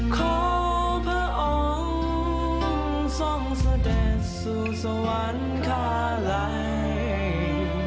ขอพระองค์ทรงเสด็จสู่สวรรคาลัย